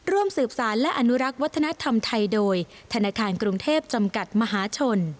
ร่วมสืบสารและอนุรักษ์วัฒนธรรมไทยโดยธนาคารกรุงเทพจำกัดมหาชน